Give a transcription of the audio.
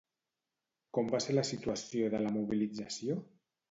Com va ser la situació de la mobilització?